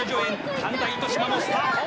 神田糸島もスタート。